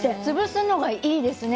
潰すのがいいですね